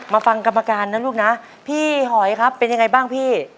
ฟังกรรมการนะลูกนะพี่หอยครับเป็นยังไงบ้างพี่